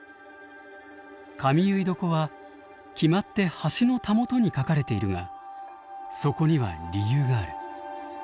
髪結床は決まって橋のたもとに描かれているがそこには理由がある。